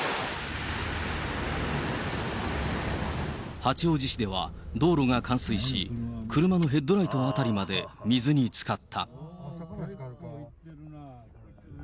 八王子市では道路が冠水し、車のヘッドライト辺りまで水につかった。